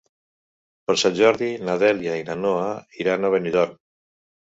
Per Sant Jordi na Dèlia i na Noa iran a Benidorm.